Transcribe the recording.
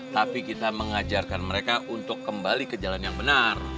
tapi kita mengajarkan mereka untuk kembali ke jalan yang benar